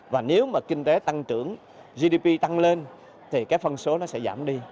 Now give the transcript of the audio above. và nếu mà kinh tế tăng trưởng gdp tăng lên thì cái phân số nó sẽ giảm đi